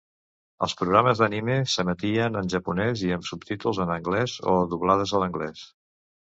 Els programes d'anime s'emetien en japonès i amb subtítols en anglès o doblades a l'anglès.